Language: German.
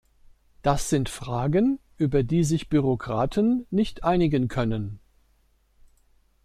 Das sind Fragen, über die sich Bürokraten nicht einigen können.